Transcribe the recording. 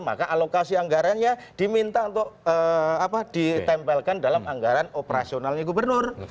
maka alokasi anggarannya diminta untuk ditempelkan dalam anggaran operasionalnya gubernur